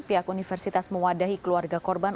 pihak universitas mewadahi keluarga korban